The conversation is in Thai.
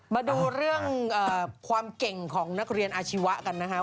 มาดูเรื่องความเก่งของนักเรียนอาชีวะกันนะครับ